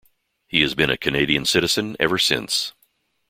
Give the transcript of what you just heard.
He has been a Canadian citizen ever since.